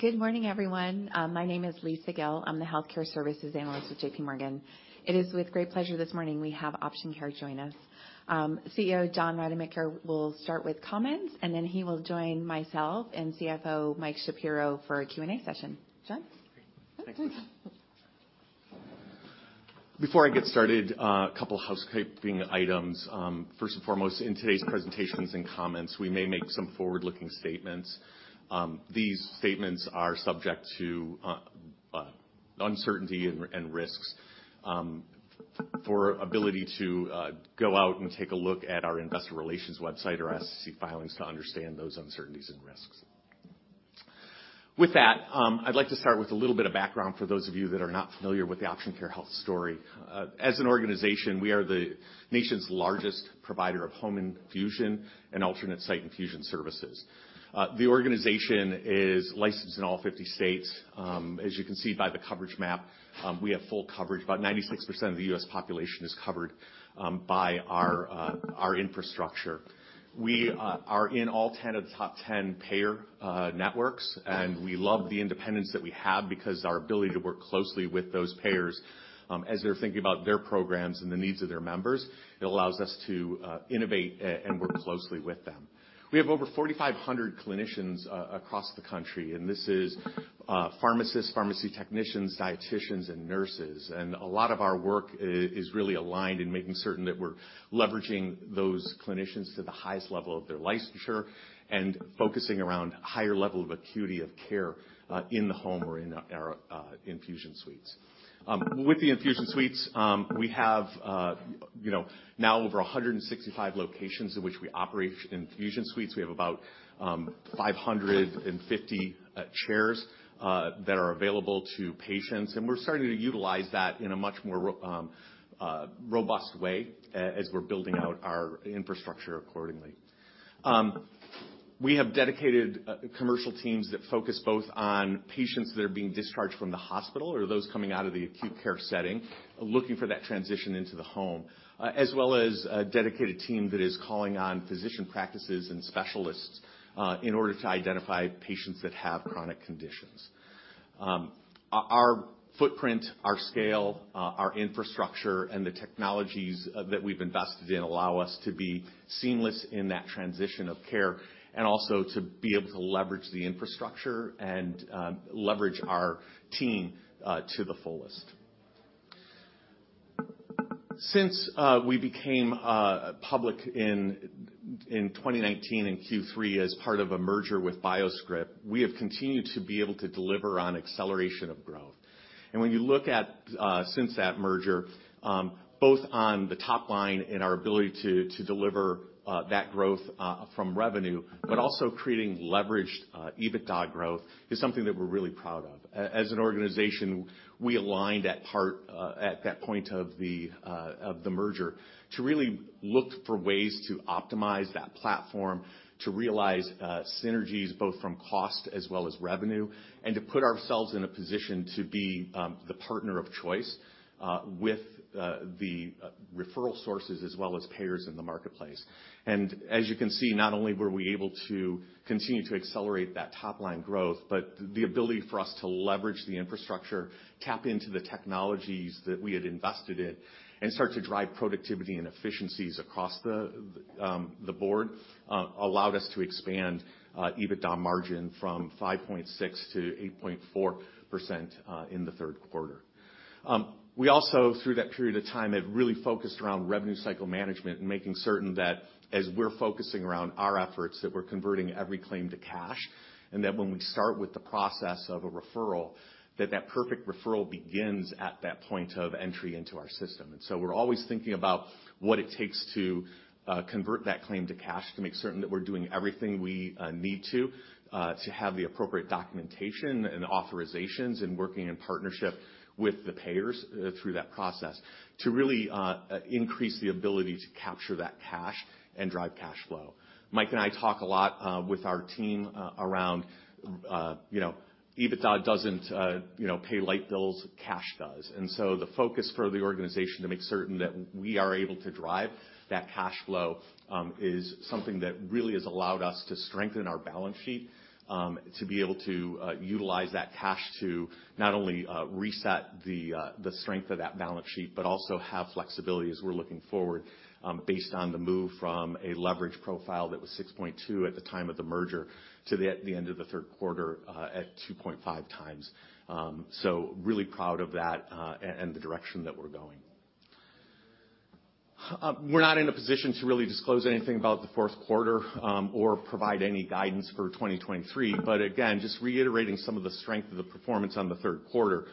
Good morning, everyone. My name is Lisa Gill. I'm the Healthcare Services Analyst at JPMorgan. It is with great pleasure this morning we have Option Care join us. CEO John Rademacher will start with comments, and then he will join myself and CFO Mike Shapiro for a Q&A session. John? Thanks, Lisa. Before I get started, a couple housekeeping items. First and foremost, in today's presentations and comments, we may make some forward-looking statements. These statements are subject to uncertainty and risks, for ability to go out and take a look at our investor relations website or S.E.C. filings to understand those uncertainties and risks. With that, I'd like to start with a little bit of background for those of you that are not familiar with the Option Care Health story. As an organization, we are the nation's largest provider of home infusion and alternate site infusion services. The organization is licensed in all 50 states. As you can see by the coverage map, we have full coverage. About 96% of the U.S. population is covered by our infrastructure. We are in all 10 of the top 10 payer networks, and we love the independence that we have because our ability to work closely with those payers, as they're thinking about their programs and the needs of their members, it allows us to innovate and work closely with them. We have over 4,500 clinicians across the country, this is pharmacists, pharmacy technicians, dietitians, and nurses. A lot of our work is really aligned in making certain that we're leveraging those clinicians to the highest level of their licensure and focusing around higher level of acuity of care, in the home or in our infusion suites. With the infusion suites, we have, you know, now over 165 locations in which we operate infusion suites. We have about 550 chairs that are available to patients. We're starting to utilize that in a much more robust way as we're building out our infrastructure accordingly. We have dedicated commercial teams that focus both on patients that are being discharged from the hospital or those coming out of the acute care setting, looking for that transition into the home, as well as a dedicated team that is calling on physician practices and specialists in order to identify patients that have chronic conditions. Our footprint, our scale, our infrastructure, and the technologies that we've invested in allow us to be seamless in that transition of care and also to be able to leverage the infrastructure and leverage our team to the fullest. Since we became public in 2019 in Q3 as part of a merger with BioScrip, we have continued to be able to deliver on acceleration of growth. And when you look at since that merger, both on the top line in our ability to deliver that growth from revenue, but also creating leveraged EBITDA growth, is something that we're really proud of. As an organization, we aligned at part at that point of the merger to really look for ways to optimize that platform, to realize synergies both from cost as well as revenue, and to put ourselves in a position to be the partner of choice with the referral sources as well as payers in the marketplace. As you can see, not only were we able to continue to accelerate that top-line growth, but the ability for us to leverage the infrastructure, tap into the technologies that we had invested in, and start to drive productivity and efficiencies across the board allowed us to expand EBITDA margin from 5.6%-8.4% in the third quarter. We also, through that period of time, have really focused around revenue cycle management and making certain that as we're focusing around our efforts, that we're converting every claim to cash, and that when we start with the process of a referral, that that perfect referral begins at that point of entry into our system. We're always thinking about what it takes to convert that claim to cash to make certain that we're doing everything we need to to have the appropriate documentation and authorizations and working in partnership with the payers through that process to really increase the ability to capture that cash and drive cash flow. Mike and I talk a lot with our team around, you know, EBITDA doesn't, you know, pay light bills, cash does. The focus for the organization to make certain that we are able to drive that cash flow is something that really has allowed us to strengthen our balance sheet, to be able to utilize that cash to not only reset the strength of that balance sheet, but also have flexibility as we're looking forward, based on the move from a leverage profile that was 6.2 at the time of the merger to the end of the third quarter at 2.5x. Really proud of that and the direction that we're going. We're not in a position to really disclose anything about the fourth quarter or provide any guidance for 2023, but again, just reiterating some of the strength of the performance on the third quarter.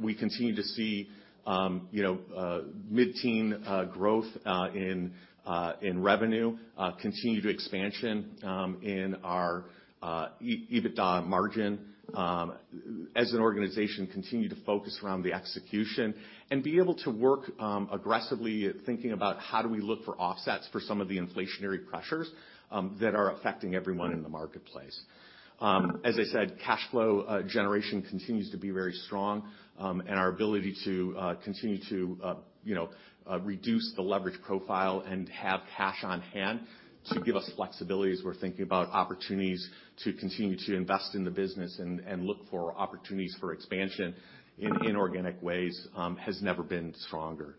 We continue to see, you know, mid-teen growth in revenue, continue to expansion in our EBITDA margin. As an organization, continue to focus around the execution and be able to work aggressively at thinking about how do we look for offsets for some of the inflationary pressures that are affecting everyone in the marketplace. As I said, cash flow generation continues to be very strong, our ability to continue to, you know, reduce the leverage profile and have cash on hand to give us flexibility as we're thinking about opportunities to continue to invest in the business and look for opportunities for expansion in inorganic ways has never been stronger.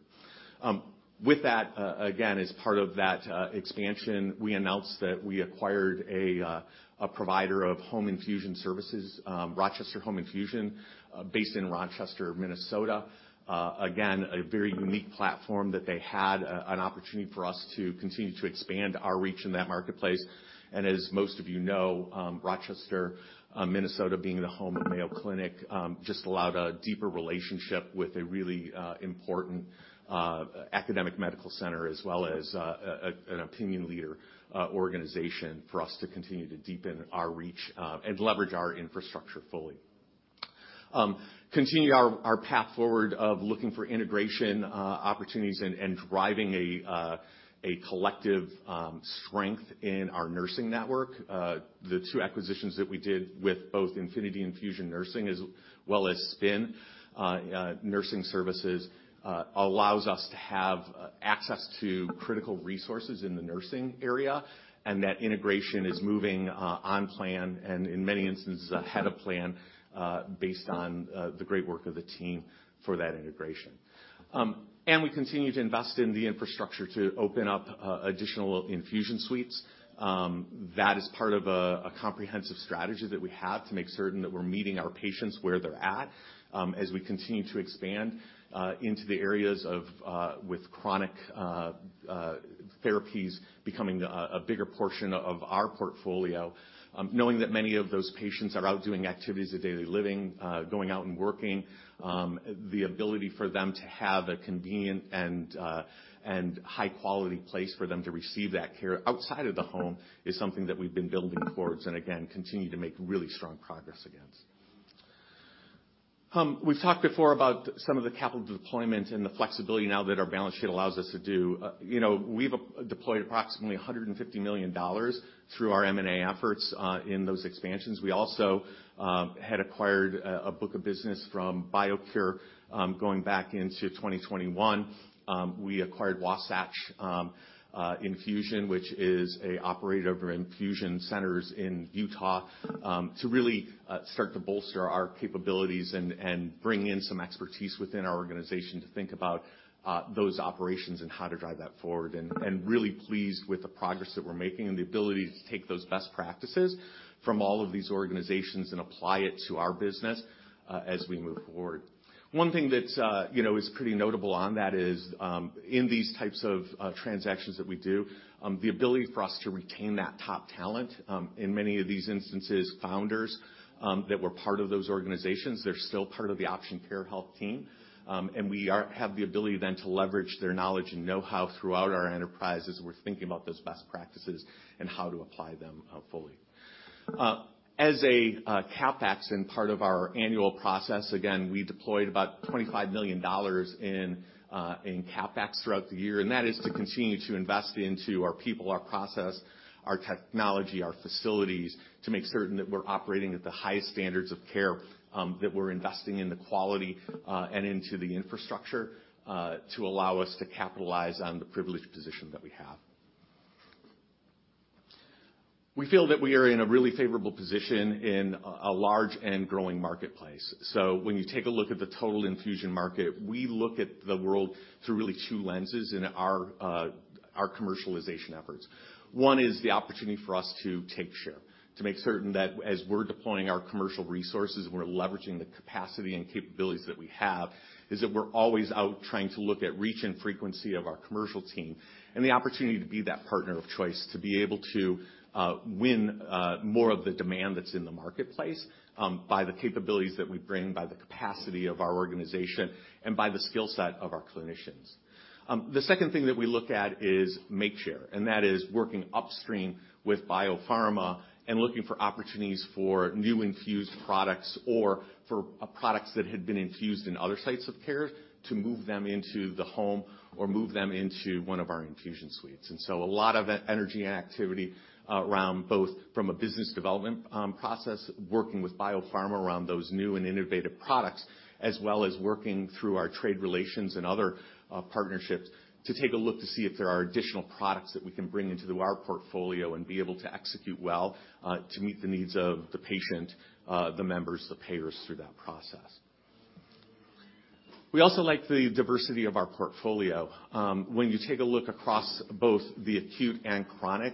With that, again, as part of that expansion, we announced that we acquired a provider of home infusion services, Rochester Home Infusion, based in Rochester, Minnesota. Again, a very unique platform that they had, an opportunity for us to continue to expand our reach in that marketplace. As most of you know, Rochester, Minnesota, being the home of Mayo Clinic, just allowed a deeper relationship with a really important academic medical center, as well as an opinion leader organization for us to continue to deepen our reach and leverage our infrastructure fully. Continue our path forward of looking for integration opportunities and driving a collective strength in our nursing network. The two acquisitions that we did with both Infinity Infusion Nursing as well as SPIN, Nursing Services, allows us to have access to critical resources in the nursing area, that integration is moving on plan and in many instances ahead of plan, based on the great work of the team for that integration. We continue to invest in the infrastructure to open up additional infusion suites. That is part of a comprehensive strategy that we have to make certain that we're meeting our patients where they're at. o expand into the areas with chronic therapies becoming a bigger portion of our portfolio, knowing that many of those patients are out doing activities of daily living, going out and working, the ability for them to have a convenient and high quality place for them to receive that care outside of the home is something that we've been building towards, and again, continue to make really strong progress against. You know, we've deployed approximately $150 million through our M&A efforts in those expansions. We also had acquired a book of business from BioCure going back into 2021. We acquired Wasatch Infusion, which is a operator of infusion centers in Utah, to really start to bolster our capabilities and bring in some expertise within our organization to think about those operations and how to drive that forward. Really pleased with the progress that we're making and the ability to take those best practices from all of these organizations and apply it to our business as we move forward. One thing that's, you know, is pretty notable on that is in these types of transactions that we do, the ability for us to retain that top talent, in many of these instances, founders, that were part of those organizations, they're still part of the Option Care Health team. We have the ability then to leverage their knowledge and know-how throughout our enterprise as we're thinking about those best practices and how to apply them fully. As a CapEx and part of our annual process, again, we deployed about $25 million in CapEx throughout the year, and that is to continue to invest into our people, our process, our technology, our facilities to make certain that we're operating at the highest standards of care, that we're investing in the quality and into the infrastructure to allow us to capitalize on the privileged position that we have. We feel that we are in a really favorable position in a large and growing marketplace. When you take a look at the total infusion market, we look at the world through really two lenses in our commercialization efforts. One is the opportunity for us to take share, to make certain that as we're deploying our commercial resources, we're leveraging the capacity and capabilities that we have, is that we're always out trying to look at reach and frequency of our commercial team and the opportunity to be that partner of choice, to be able to win more of the demand that's in the marketplace by the capabilities that we bring, by the capacity of our organization, and by the skill set of our clinicians. The second thing that we look at is make share. That is working upstream with biopharma and looking for opportunities for new infused products or for products that had been infused in other sites of care to move them into the home or move them into one of our infusion suites. A lot of energy and activity around both from a business development process, working with biopharma around those new and innovative products, as well as working through our trade relations and other partnerships to take a look to see if there are additional products that we can bring into our portfolio and be able to execute well to meet the needs of the patient, the members, the payers through that process. We also like the diversity of our portfolio. When you take a look across both the acute and chronic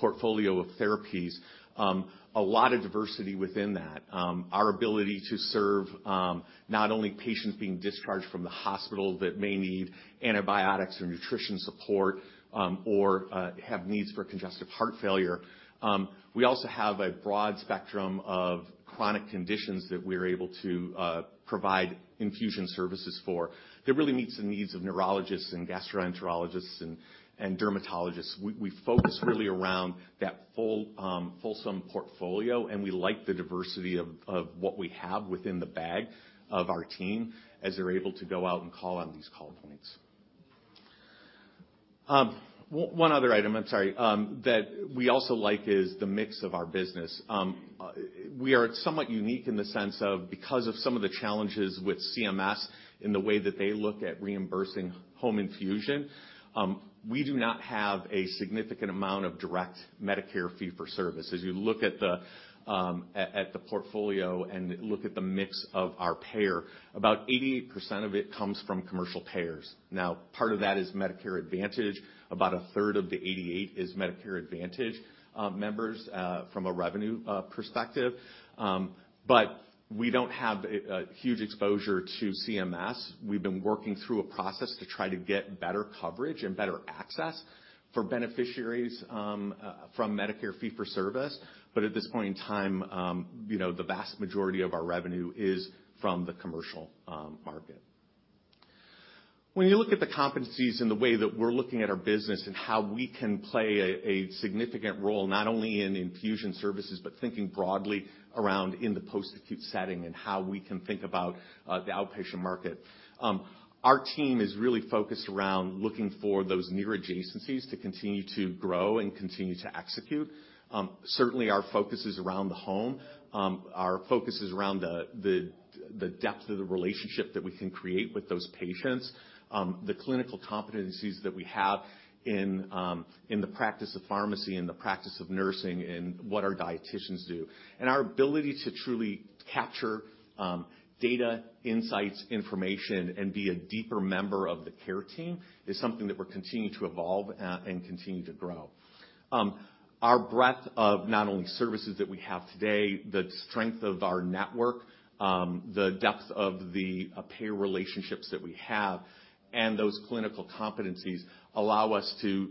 portfolio of therapies, a lot of diversity within that. Our ability to serve not only patients being discharged from the hospital that may need antibiotics or nutrition support or have needs for congestive heart failure. We also have a broad spectrum of chronic conditions that we're able to provide infusion services for that really meets the needs of neurologists and gastroenterologists and dermatologists. We focus really around that full, fulsome portfolio, and we like the diversity of what we have within the bag of our team as they're able to go out and call on these call points. One other item, I'm sorry, that we also like is the mix of our business. We are somewhat unique in the sense of, because of some of the challenges with CMS in the way that they look at reimbursing home infusion, we do not have a significant amount of direct Medicare fee-for-service. As you look at the portfolio and look at the mix of our payer, about 88% of it comes from commercial payers. Part of that is Medicare Advantage. About a third of the 88% is Medicare Advantage members from a revenue perspective. We don't have a huge exposure to CMS. We've been working through a process to try to get better coverage and better access for beneficiaries from Medicare fee-for-service. At this point in time, you know, the vast majority of our revenue is from the commercial market. When you look at the competencies and the way that we're looking at our business and how we can play a significant role, not only in infusion services, but thinking broadly around in the post-acute setting and how we can think about the outpatient market, our team is really focused around looking for those near adjacencies to continue to grow and continue to execute. Certainly, our focus is around the home. Our focus is around the depth of the relationship that we can create with those patients, the clinical competencies that we have in the practice of pharmacy and the practice of nursing, and what our dieticians do. Our ability to truly capture data, insights, information, and be a deeper member of the care team is something that we're continuing to evolve and continue to grow. Our breadth of not only services that we have today, the strength of our network, the depth of the payer relationships that we have, and those clinical competencies allow us to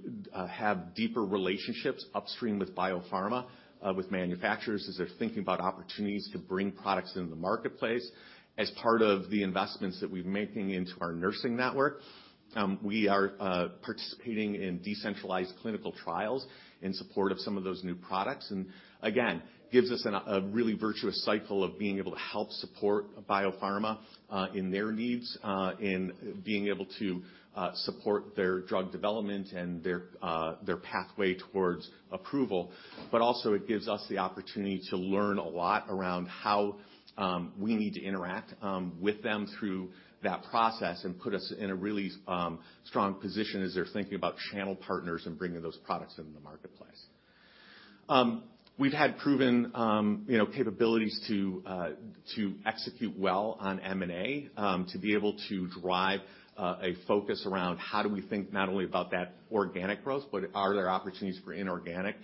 have deeper relationships upstream with biopharma, with manufacturers as they're thinking about opportunities to bring products into the marketplace. As part of the investments that we're making into our nursing network, we are participating in decentralized clinical trials in support of some of those new products. Again, gives us a really virtuous cycle of being able to help support biopharma, in their needs, in being able to support their drug development and their pathway towards approval. Also, it gives us the opportunity to learn a lot around how we need to interact with them through that process and put us in a really strong position as they're thinking about channel partners and bringing those products into the marketplace. We've had proven, you know, capabilities to execute well on M&A, to be able to drive a focus around how do we think not only about that organic growth, but are there opportunities for inorganic,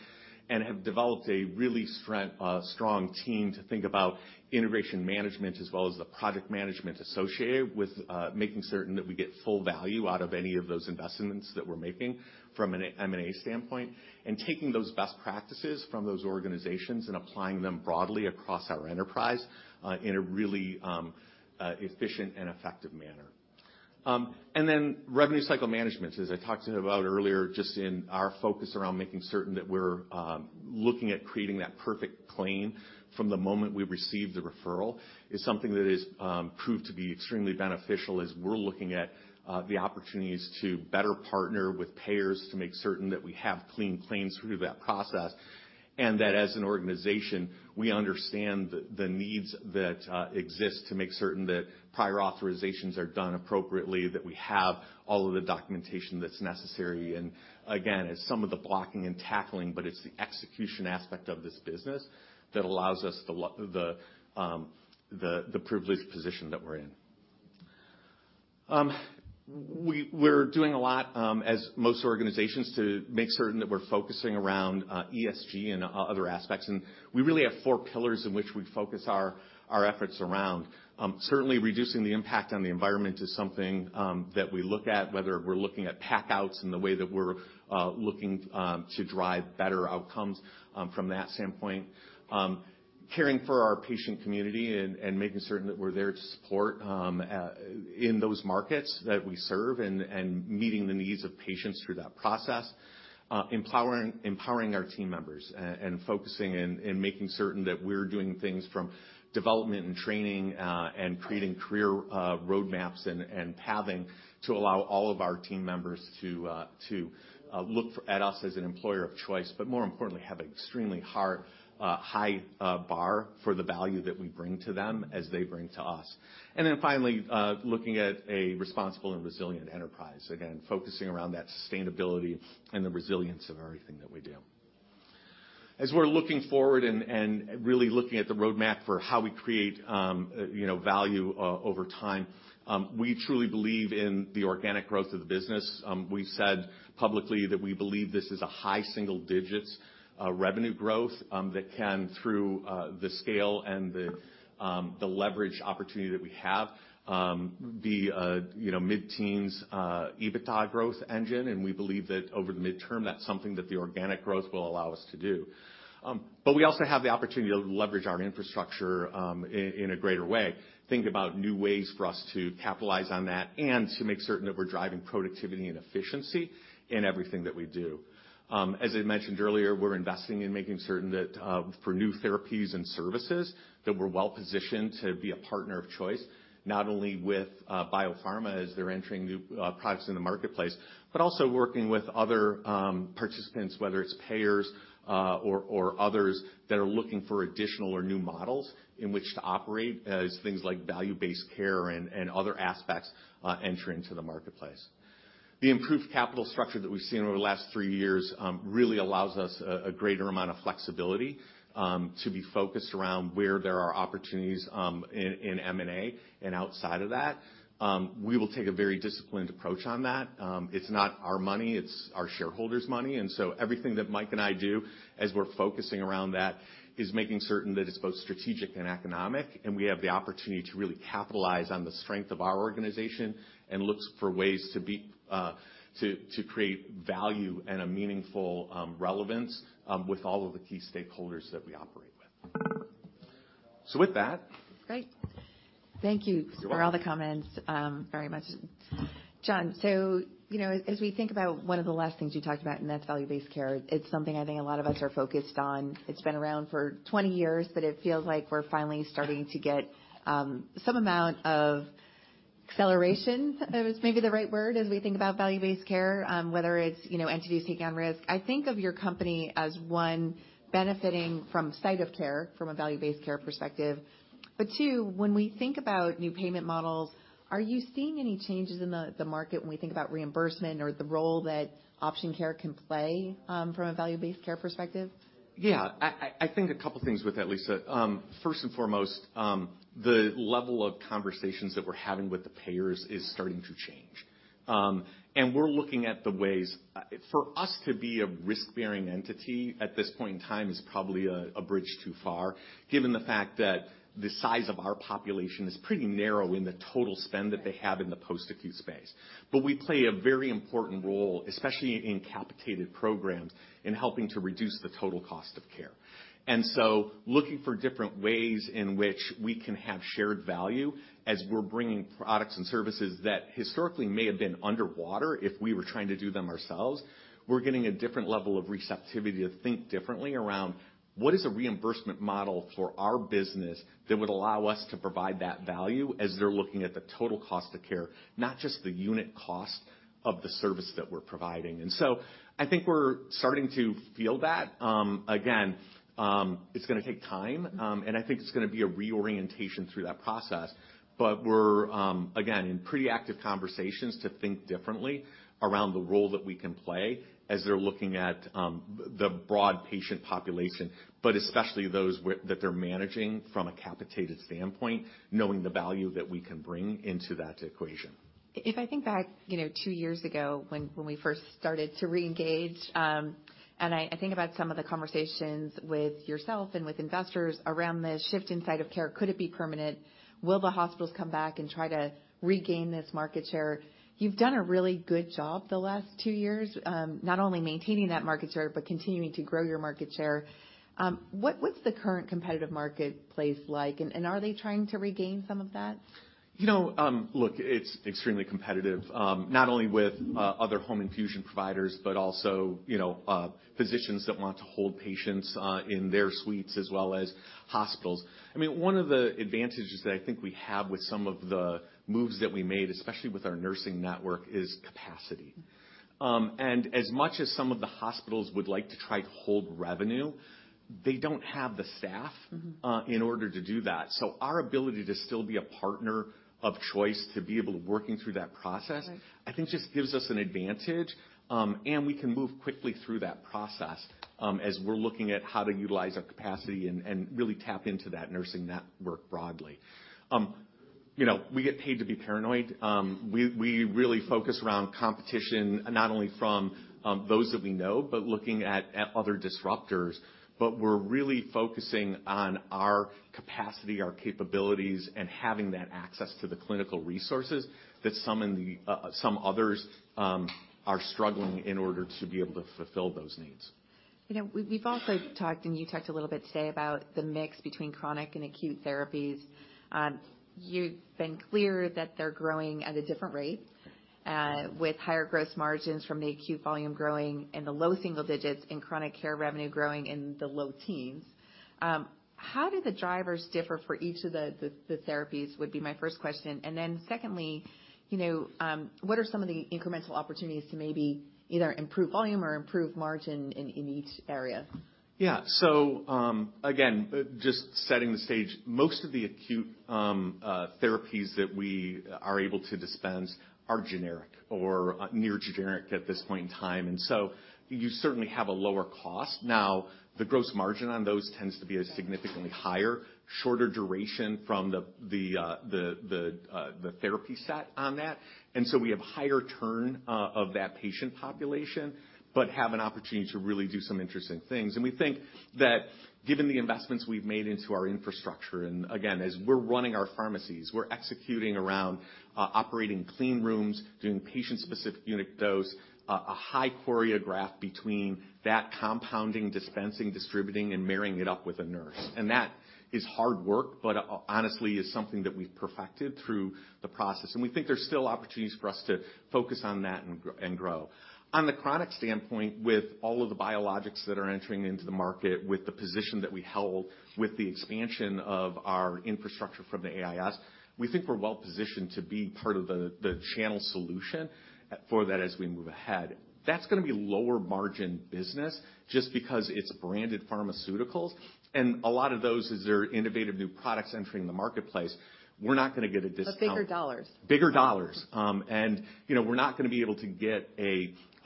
and have developed a really strong team to think about integration management as well as the project management associated with making certain that we get full value out of any of those investments that we're making from an M&A standpoint, and taking those best practices from those organizations and applying them broadly across our enterprise in a really efficient and effective manner. Revenue cycle management. As I talked about earlier, just in our focus around making certain that we're looking at creating that perfect claim from the moment we receive the referral, is something that has proved to be extremely beneficial as we're looking at the opportunities to better partner with payers to make certain that we have clean claims through that process. That as an organization, we understand the needs that exist to make certain that prior authorizations are done appropriately, that we have all of the documentation that's necessary. Again, it's some of the blocking and tackling, but it's the execution aspect of this business that allows us the privileged position that we're in. We're doing a lot as most organizations to make certain that we're focusing around ESG and other aspects. We really have four pillars in which we focus our efforts around. Certainly, reducing the impact on the environment is something that we look at whether we're looking at packouts and the way that we're looking to drive better outcomes from that standpoint. Caring for our patient community and making certain that we're there to support in those markets that we serve and meeting the needs of patients through that process. Empowering our team members and focusing and making certain that we're doing things from development and training and creating career roadmaps and pathing to allow all of our team members to look at us as an employer of choice, but more importantly, have an extremely high bar for the value that we bring to them as they bring to us. Finally, looking at a responsible and resilient enterprise. Again, focusing around that sustainability and the resilience of everything that we do. As we're looking forward and really looking at the roadmap for how we create, you know, value over time, we truly believe in the organic growth of the business. We've said publicly that we believe this is a high single digit's revenue growth that can, through the scale and the leverage opportunity that we have, you know, mid-teens EBITDA growth engine. We believe that over the midterm, that's something that the organic growth will allow us to do. We also have the opportunity to leverage our infrastructure in a greater way, think about new ways for us to capitalize on that and to make certain that we're driving productivity and efficiency in everything that we do. As I mentioned earlier, we're investing in making certain that for new therapies and services, that we're well-positioned to be a partner of choice, not only with biopharma as they're entering new products in the marketplace, but also working with other participants, whether it's payers or others that are looking for additional or new models in which to operate as things like value-based care and other aspects enter into the marketplace. The improved capital structure that we've seen over the last three years really allows us a greater amount of flexibility to be focused around where there are opportunities in M&A and outside of that. We will take a very disciplined approach on that. It's not our money; it's our shareholders' money. Everything that Mike and I do as we're focusing around that is making certain that it's both strategic and economic, and we have the opportunity to really capitalize on the strength of our organization and looks for ways to be to create value and a meaningful relevance with all of the key stakeholders that we operate with. With that. Great. Thank you. You're welcome. For all the comments, very much. John, you know, as we think about one of the last things you talked about, and that's value-based care, it's something I think a lot of us are focused on. It's been around for 20 years, but it feels like we're finally starting to get, some amount of acceleration, is maybe the right word, as we think about value-based care, whether it's, you know, entities taking on risk. I think of your company as one benefiting from site of care from a value-based care perspective. Two, when we think about new payment models, are you seeing any changes in the market when we think about reimbursement or the role that Option Care can play, from a value-based care perspective? I think a couple things with that, Lisa. First and foremost, the level of conversations that we're having with the payers is starting to change. We're looking at the ways for us to be a risk-bearing entity at this point in time is probably a bridge too far, given the fact that the size of our population is pretty narrow in the total spend that they have in the post-acute space. We play a very important role, especially in capitated programs, in helping to reduce the total cost of care. Looking for different ways in which we can have shared value as we're bringing products and services that historically may have been underwater if we were trying to do them ourselves, we're getting a different level of receptivity to think differently around what is a reimbursement model for our business that would allow us to provide that value as they're looking at the total cost of care, not just the unit cost of the service that we're providing. I think we're starting to feel that. Again, it's gonna take time, and I think it's gonna be a reorientation through that process. We're, again, in pretty active conversations to think differently around the role that we can play as they're looking at the broad patient population. Especially those that they're managing from a capitated standpoint, knowing the value that we can bring into that equation. If I think back, you know, two years ago when we first started to reengage, I think about some of the conversations with yourself and with investors around the shift in site of care. Could it be permanent? Will the hospitals come back and try to regain this market share? You've done a really good job the last two years, not only maintaining that market share, but continuing to grow your market share. What's the current competitive marketplace like, and are they trying to regain some of that? You know, look, it's extremely competitive, not only with other home infusion providers, but also, you know, physicians that want to hold patients in their suites as well as hospitals. I mean, one of the advantages that I think we have with some of the moves that we made, especially with our nursing network, is capacity. As much as some of the hospitals would like to try to hold revenue, they don't have the staff... Mm-hmm. In order to do that. Our ability to still be a partner of choice, to be able to working through that process. Right. I think just gives us an advantage, and we can move quickly through that process, as we're looking at how to utilize our capacity and really tap into that nursing network broadly. You know, we get paid to be paranoid. We really focus around competition, not only from those that we know, but looking at other disruptors. We're really focusing on our capacity, our capabilities, and having that access to the clinical resources that some in the some others are struggling in order to be able to fulfill those needs. You know, we've also talked, and you talked a little bit today, about the mix between chronic and acute therapies. You've been clear that they're growing at a different rate, with higher gross margins from the acute volume growing in the low single digits and chronic care revenue growing in the low teens. How do the drivers differ for each of the therapies, would be my first question. Secondly. You know, what are some of the incremental opportunities to maybe either improve volume or improve margin in each area? Yeah. Again, just setting the stage. Most of the acute therapies that we are able to dispense are generic or near generic at this point in time. You certainly have a lower cost. Now, the gross margin on those tends to be a significantly higher, shorter duration from the therapy set on that. We have higher turn of that patient population but have an opportunity to really do some interesting things. We think that given the investments we've made into our infrastructure, and again, as we're running our pharmacies, we're executing around operating clean rooms, doing patient-specific unit dose, a high choreograph between that compounding, dispensing, distributing, and marrying it up with a nurse. That is hard work, but honestly is something that we've perfected through the process. We think there's still opportunities for us to focus on that and grow. On the chronic standpoint, with all of the biologics that are entering into the market, with the position that we hold, with the expansion of our infrastructure from the AIS, we think we're well positioned to be part of the channel solution for that as we move ahead. That's gonna be lower margin business just because it's branded pharmaceuticals, and a lot of those as they're innovative new products entering the marketplace, we're not gonna get a discount- Bigger dollars. Bigger dollars. You know, we're not gonna be able to get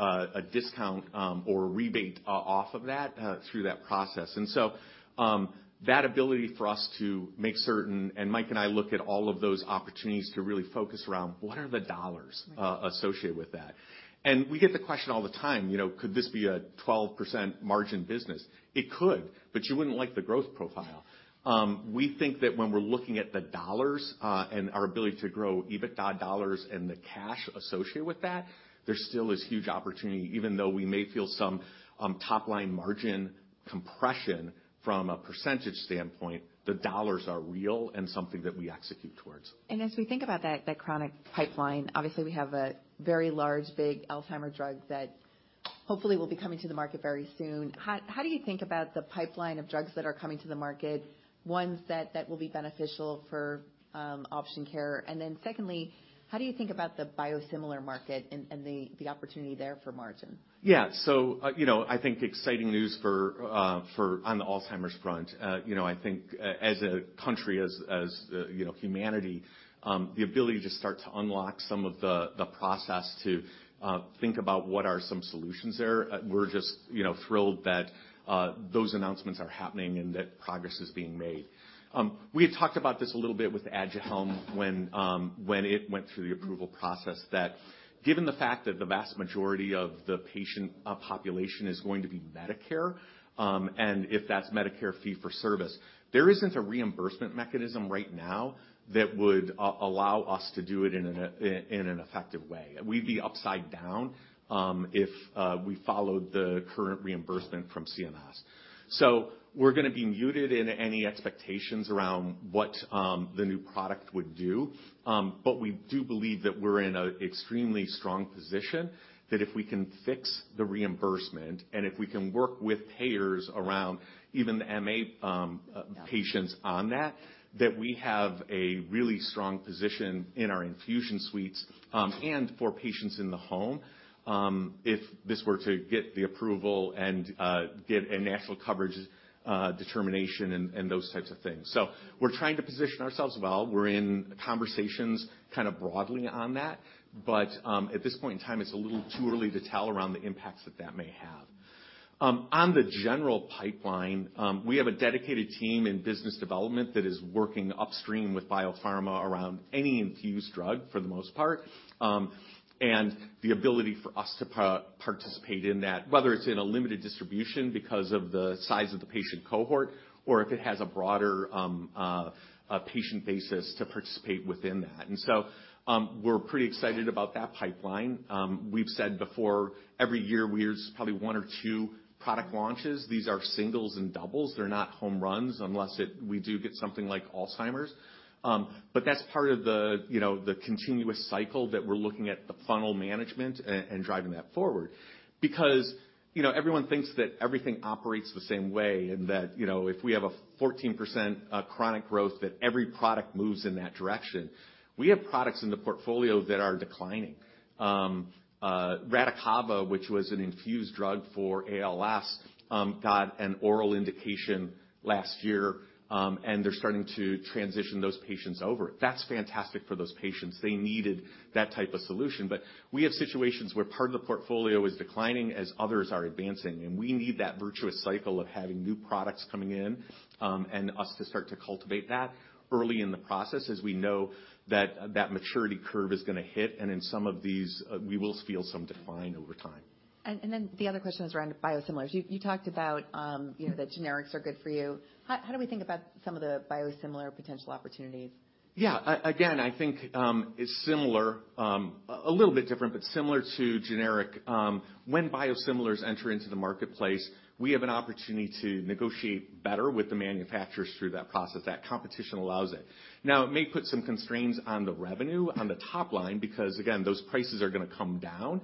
a discount or a rebate off of that through that process. That ability for us to make certain, and Mike and I look at all of those opportunities to really focus around what are the dollars associated with that. We get the question all the time, you know, could this be a 12% margin business? It could, you wouldn't like the growth profile. We think that when we're looking at the dollars and our ability to grow EBITDA dollars and the cash associated with that, there still is huge opportunity. Even though we may feel some top-line margin compression from a percentage standpoint, the dollars are real and something that we execute towards. As we think about that chronic pipeline, obviously, we have a very large, big Alzheimer drug that hopefully will be coming to the market very soon. How do you think about the pipeline of drugs that are coming to the market, ones that will be beneficial for Option Care? Secondly, how do you think about the biosimilar market and the opportunity there for margin? Yeah. you know, I think exciting news for for on the Alzheimer's front. you know, I think as a country, as, you know, humanity, the ability to start to unlock some of the process to think about what are some solutions there, we're just, you know, thrilled that those announcements are happening and that progress is being made. We had talked about this a little bit with ADUHELM when it went through the approval process, that given the fact that the vast majority of the patient population is going to be Medicare, and if that's Medicare fee for service, there isn't a reimbursement mechanism right now that would allow us to do it in an effective way. We'd be upside down if we followed the current reimbursement from CMS. We're gonna be muted in any expectations around what the new product would do. We do believe that we're in an extremely strong position, that if we can fix the reimbursement and if we can work with payers around even the MA patients on that we have a really strong position in our infusion suites and for patients in the home, if this were to get the approval and get a national coverage determination and those types of things. We're trying to position ourselves well. We're in conversations kind of broadly on that, at this point in time, it's a little too early to tell around the impacts that that may have. On the general pipeline, we have a dedicated team in business development that is working upstream with biopharma around any infused drug, for the most part, and the ability for us to participate in that, whether it's in a limited distribution because of the size of the patient cohort or if it has a broader patient basis to participate within that. We're pretty excited about that pipeline. We've said before, every year, we hear probably one or two product launches. These are singles and doubles. They're not home runs unless we do get something like Alzheimer's. That's part of the, you know, the continuous cycle that we're looking at the funnel management and driving that forward. You know, everyone thinks that everything operates the same way and that, you know, if we have a 14% chronic growth, that every product moves in that direction. We have products in the portfolio that are declining. Radicava, which was an infused drug for ALS, got an oral indication last year, and they're starting to transition those patients over. That's fantastic for those patients. They needed that type of solution. We have situations where part of the portfolio is declining as others are advancing, and we need that virtuous cycle of having new products coming in, and us to start to cultivate that early in the process as we know that that maturity curve is gonna hit. In some of these, we will feel some decline over time. Then the other question is around biosimilars. You talked about, you know, that generics are good for you. How do we think about some of the biosimilar potential opportunities? Yeah. Again, I think, it's similar, a little bit different, but similar to generic. When biosimilars enter into the marketplace, we have an opportunity to negotiate better with the manufacturers through that process. That competition allows it. It may put some constraints on the revenue, on the top line, because again, those prices are gonna come down.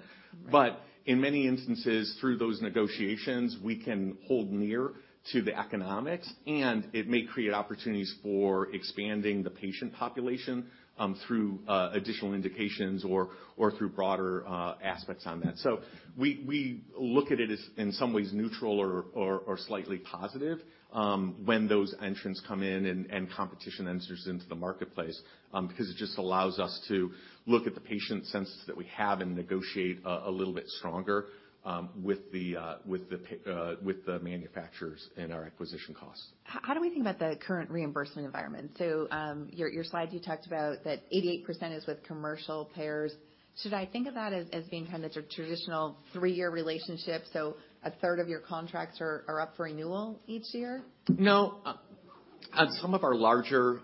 Right. In many instances, through those negotiations, we can hold near to the economics, and it may create opportunities for expanding the patient population, through additional indications or through broader aspects on that. We look at it as in some ways neutral or slightly positive when those entrants come in and competition enters into the marketplace because it just allows us to look at the patient census that we have and negotiate a little bit stronger with the manufacturers and our acquisition costs. How do we think about the current reimbursement environment? Your slide, you talked about that 88% is with commercial payers. Should I think of that as being kind of the traditional three-year relationship, so a third of your contracts are up for renewal each year? No. On some of our larger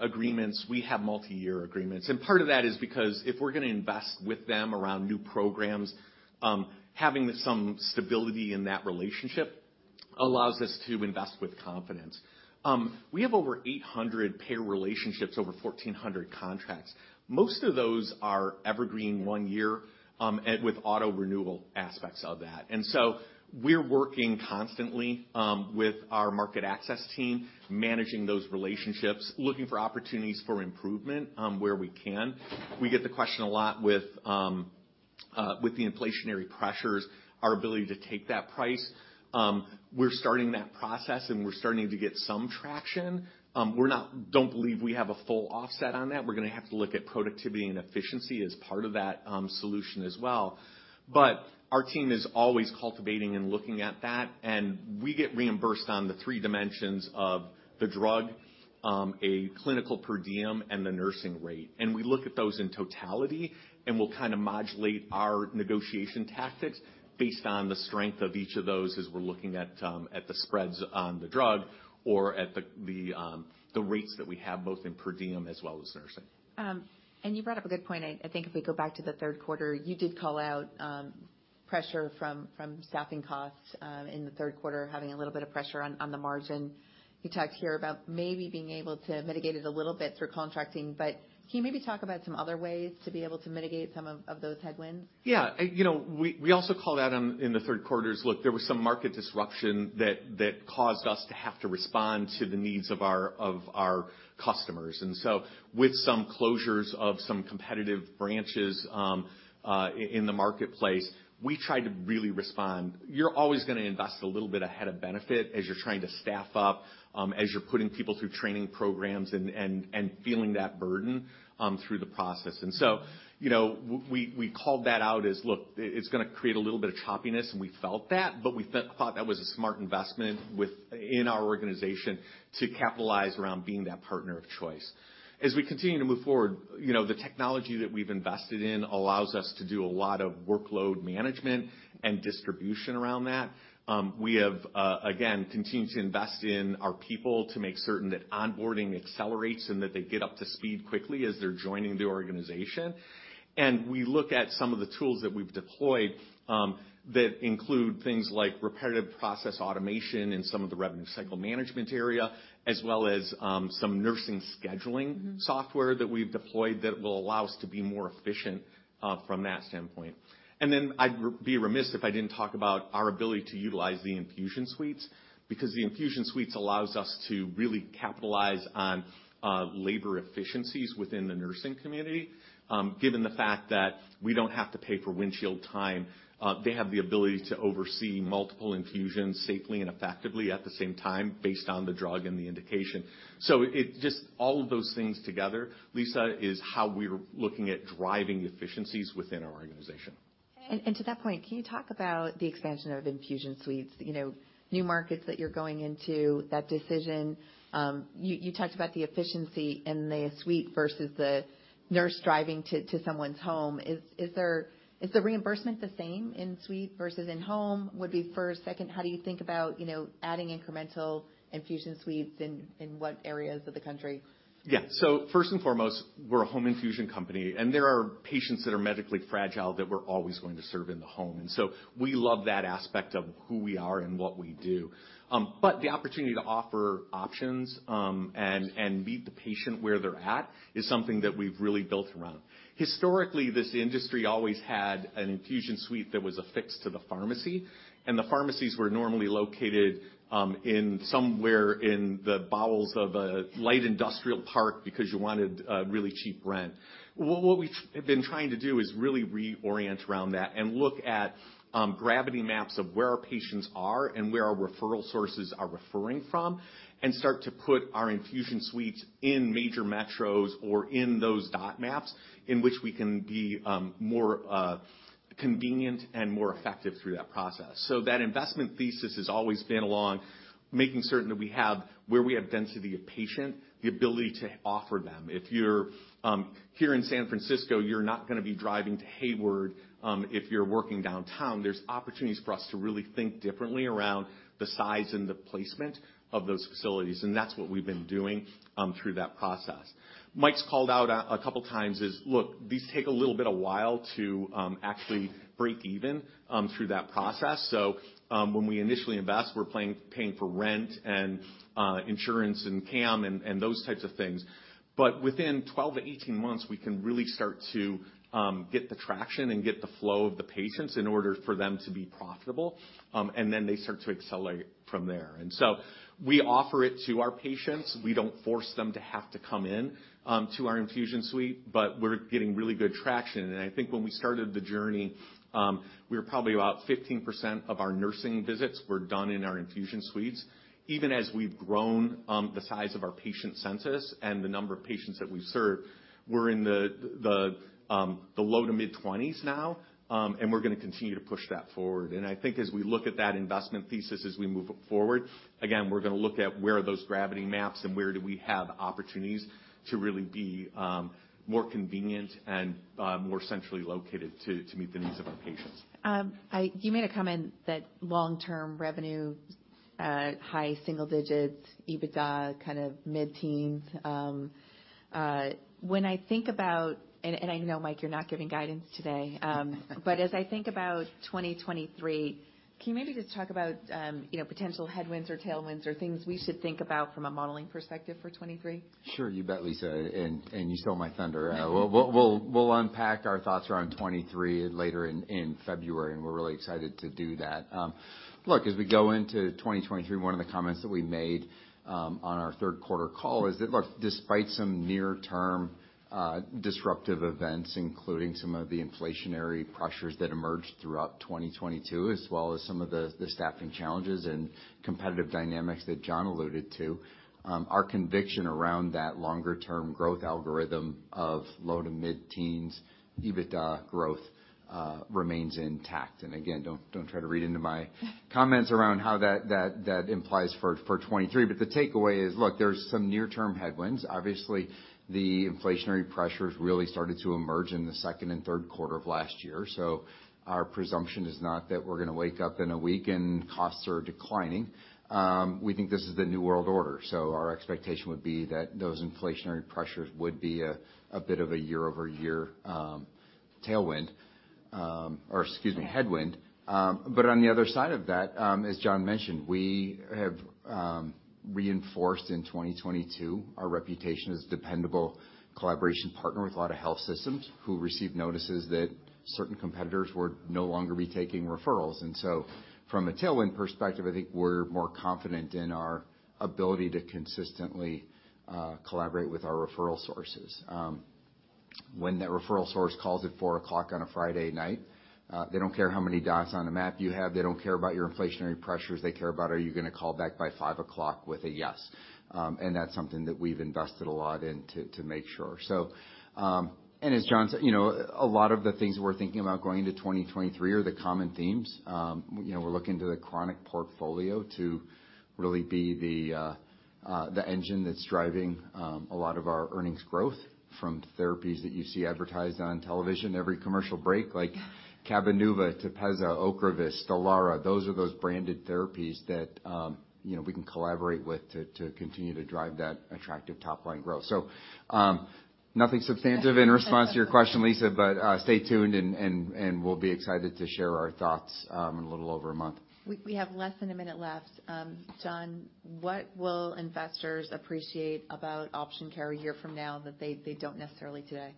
agreements, we have multiyear agreements, and part of that is because if we're gonna invest with them around new programs, having some stability in that relationship allows us to invest with confidence. We have over 800 payer relationships, over 1,400 contracts. Most of those are evergreen one year, with auto renewal aspects of that. We're working constantly with our market access team, managing those relationships, looking for opportunities for improvement where we can. We get the question a lot with the inflationary pressures, our ability to take that price. We're starting that process, and we're starting to get some traction. Don't believe we have a full offset on that. We're gonna have to look at productivity and efficiency as part of that solution as well. Our team is always cultivating and looking at that, and we get reimbursed on the three dimensions of the drug, a clinical per diem and the nursing rate. We look at those in totality, and we'll kinda modulate our negotiation tactics based on the strength of each of those as we're looking at the spreads on the drug or at the rates that we have both in per diem as well as nursing. You brought up a good point. I think if we go back to the third quarter, you did call out pressure from staffing costs in the third quarter, having a little bit of pressure on the margin. You talked here about maybe being able to mitigate it a little bit through contracting. Can you maybe talk about some other ways to be able to mitigate some of those headwinds? Yeah. You know, we also called out in the third quarter is, look, there was some market disruption that caused us to have to respond to the needs of our customers. With some closures of some competitive branches in the marketplace, we tried to really respond. You're always gonna invest a little bit ahead of benefit as you're trying to staff up, as you're putting people through training programs and feeling that burden through the process. You know, we called that out as, look, it's gonna create a little bit of choppiness, and we felt that, but we thought that was a smart investment in our organization to capitalize around being that partner of choice. As we continue to move forward, you know, the technology that we've invested in allows us to do a lot of workload management and distribution around that. We have, again, continued to invest in our people to make certain that onboarding accelerates and that they get up to speed quickly as they're joining the organization. We look at some of the tools that we've deployed, that include things like Robotic Process Automation in some of the revenue cycle management area, as well as, some nursing scheduling-. Mm-hmm. Software that we've deployed that will allow us to be more efficient from that standpoint. I'd be remiss if I didn't talk about our ability to utilize the infusion suites, because the infusion suites allow us to really capitalize on labor efficiencies within the nursing community. Given the fact that we don't have to pay for windshield time, they have the ability to oversee multiple infusions safely and effectively at the same time based on the drug and the indication. All of those things together, Lisa, are how we're looking at driving efficiencies within our organization. To that point, can you talk about the expansion of infusion suites? You know, new markets that you're going into, that decision. You talked about the efficiency in the suite versus the nurse driving to someone's home. Is the reimbursement the same in suite versus in home, would be first. Second, how do you think about, you know, adding incremental infusion suites, in what areas of the country? Yeah. First and foremost, we're a home infusion company. There are patients that are medically fragile that we're always going to serve in the home. We love that aspect of who we are and what we do. The opportunity to offer options, and meet the patient where they're at is something that we've really built around. Historically, this industry always had an infusion suite that was affixed to the pharmacy, and the pharmacies were normally located in somewhere in the bowels of a light industrial park because you wanted really cheap rent. What we've been trying to do is really reorient around that and look at gravity maps of where our patients are and where our referral sources are referring from and start to put our infusion suites in major metros or in those dot maps in which we can be more convenient and more effective through that process. That investment thesis has always been along making certain that we have, where we have density of patient, the ability to offer them. If you're here in San Francisco, you're not gonna be driving to Hayward, if you're working downtown. There's opportunities for us to really think differently around the size and the placement of those facilities, and that's what we've been doing through that process. Mike's called out a couple times is, look, these take a little bit of while to actually break even through that process. When we initially invest, we're paying for rent and insurance and CAM and those types of things. Within 12-18 months, we can really start to get the traction and get the flow of the patients in order for them to be profitable, they start to accelerate from there. We offer it to our patients. We don't force them to have to come in to our infusion suite, but we're getting really good traction. I think when we started the journey, we were probably about 15% of our nursing visits were done in our infusion suites. Even as we've grown, the size of our patient census and the number of patients that we serve, we're in the low to mid-20s now, and we're gonna continue to push that forward. I think as we look at that investment thesis as we move forward, again, we're gonna look at where are those gravity maps and where do we have opportunities to really be more convenient and more centrally located to meet the needs of our patients. You made a comment that long-term revenue, high single digits, EBITDA kind of mid-teens. When I think about... I know, Mike, you're not giving guidance today. As I think about 2023, can you maybe just talk about, you know, potential headwinds or tailwinds or things we should think about from a modeling perspective for 2023? Sure. You bet, Lisa. You stole my thunder. We'll unpack our thoughts around 2023 later in February, and we're really excited to do that. Look, as we go into 2023, one of the comments that we made on our third quarter call is that, look, despite some near-term disruptive events, including some of the inflationary pressures that emerged throughout 2022, as well as some of the staffing challenges and competitive dynamics that Jon alluded to, our conviction around that longer term growth algorithm of low to mid-teens EBITDA growth remains intact. Again, don't try to read into my comments around how that implies for 2023. The takeaway is, look, there's some near-term headwinds. Obviously, the inflationary pressures really started to emerge in the second and third quarter of last year. Our presumption is not that we're gonna wake up in a week and costs are declining. We think this is the new world order. Our expectation would be that those inflationary pressures would be a bit of a year-over-year tailwind, or excuse me, headwind. On the other side of that, as Jon mentioned, we have reinforced in 2022 our reputation as a dependable collaboration partner with a lot of health systems who received notices that certain competitors would no longer be taking referrals. From a tailwind perspective, I think we're more confident in our ability to consistently collaborate with our referral sources. When that referral source calls at four o'clock on a Friday night, they don't care how many dots on the map you have. They don't care about your inflationary pressures. They care about, are you gonna call back by five o'clock with a yes? As Jon said, you know, a lot of the things we're thinking about going into 2023 are the common themes. You know, we're looking to the chronic portfolio to really be the engine that's driving a lot of our earnings growth from therapies that you see advertised on television every commercial break, like Cabenuva, TEPEZZA, Ocrevus, Stelara. Those are those branded therapies that, you know, we can collaborate with to continue to drive that attractive top-line growth. Nothing substantive in response to your question, Lisa, stay tuned and we'll be excited to share our thoughts in a little over a month. We have less than a minute left. Jon, what will investors appreciate about Option Care a year from now that they don't necessarily today?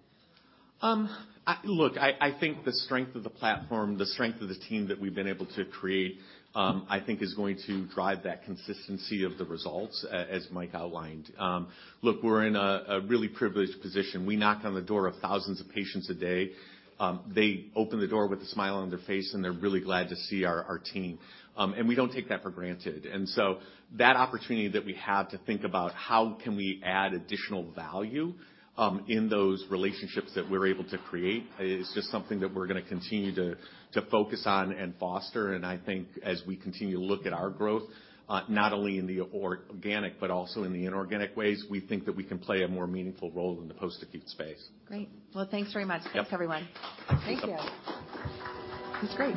Look, I think the strength of the platform, the strength of the team that we've been able to create, I think is going to drive that consistency of the results as Mike outlined. Look, we're in a really privileged position. We knock on the door of thousands of patients a day. They open the door with a smile on their face, and they're really glad to see our team. We don't take that for granted. That opportunity that we have to think about how can we add additional value, in those relationships that we're able to create is just something that we're gonna continue to focus on and foster. I think as we continue to look at our growth, not only in the organic, but also in the inorganic ways, we think that we can play a more meaningful role in the post-acute space. Great. Well, thanks very much. Yep. Thanks, everyone. Thank you. That's great.